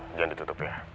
jangan ditutup ya